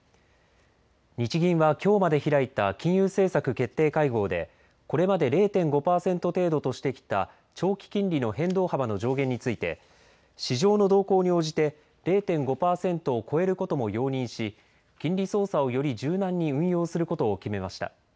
日銀はきょうまで開いた金融政策決定会合でこれまで０．５％程度としてきた長期金利の変動幅の上限について市場の動向に応じて０．５％を超えることも容認し金利操作をより柔軟に運用することを決めました。